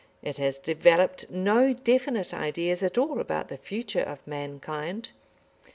It has developed no definite ideas at all about the future of mankind.